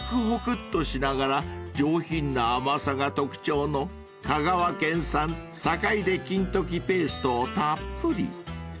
ほくっとしながら上品な甘さが特徴の香川県産坂出金時ペーストをたっぷり］